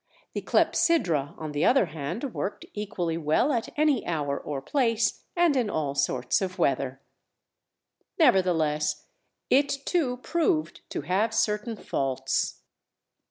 The clepsydra, on the other hand, worked equally well at any hour or place, and in all sorts of weather. Nevertheless, it, too, proved to have certain faults.